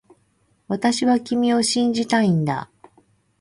私は君を信じたいんだ